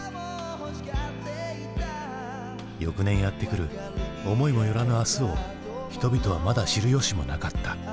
翌年やってくる思いも寄らぬ明日を人々はまだ知るよしもなかった。